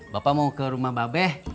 bapak mau ke rumah babe